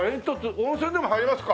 温泉でも入りますか。